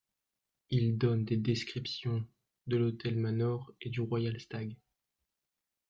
Il donne des descriptions de l'Hôtel Manor et du Royal Stag.